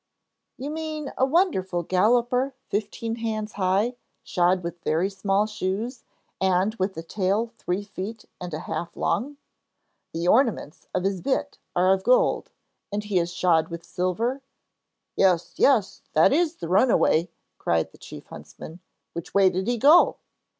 'You mean a wonderful galloper fifteen hands high, shod with very small shoes, and with a tail three feet and a half long? The ornaments of his bit are of gold and he is shod with silver?' 'Yes, yes, that is the runaway,' cried the chief huntsman; 'which way did he go?'